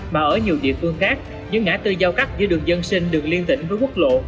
mà ở nhiều địa phương khác những ngã tư giao cắt giữa đường dân sinh được liên tỉnh với quốc lộ